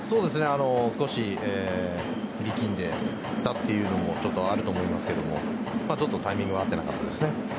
少し力んでいたというのもちょっとあると思うんですけどちょっとタイミングが合っていなかったですね。